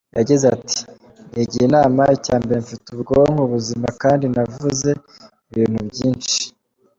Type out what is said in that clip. Yagize ati “Nigira inama, icya mbere mfite ubwonko buzima kandi navuze ibintu byinshi.